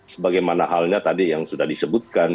sebagaimana halnya tadi yang sudah disebutkan